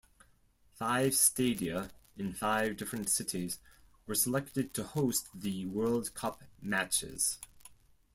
Five stadia in five different cities were selected to host the World Cup matches.